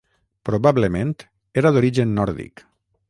Probablement era d'origen nòrdic.